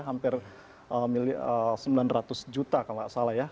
hampir sembilan ratus juta kalau tidak salah ya